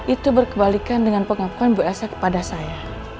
itu berkebalikan dengan pengakuan bu elsa kepada saya